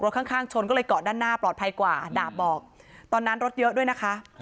ข้างข้างชนก็เลยเกาะด้านหน้าปลอดภัยกว่าดาบบอกตอนนั้นรถเยอะด้วยนะคะ